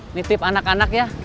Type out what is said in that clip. ini tip anak anak ya